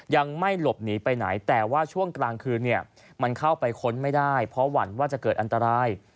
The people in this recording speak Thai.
ยังไม่หลบหนีไปไหนแต่ว่าช่วงกลางคืนเนี่ยมันเข้าไปค้นไม่ได้เพราะหวั่นว่าจะเกิดอันตราย